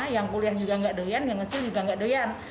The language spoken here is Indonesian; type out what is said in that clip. yang kuliah juga nggak doyan yang kecil juga nggak doyan